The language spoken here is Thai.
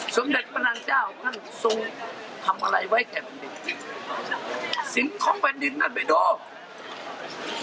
สมเด็จพระนางเจ้าท่านทรงทำอะไรไว้แก่แผ่นดินจริงสิ่งของแผ่นดินนั่นไปดู